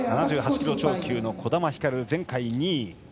７８キロ超級の児玉ひかる前回２位。